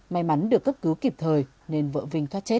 may mắn được cấp cứu kịp thời nên vợ vinh thoát chết